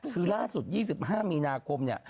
คือล่าสุด๒๕มีนาคม